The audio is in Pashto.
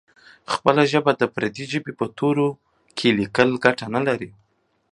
خپله ژبه باید د پردۍ ژبې په تورو کې لیکل ګټه نه لري.